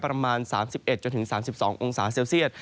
ประมาณ๓๑๓๒องศาเซลเซียต